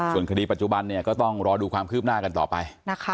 ส่วนคดีปัจจุบันก็ต้องรอดูความคืบหน้ากันต่อไป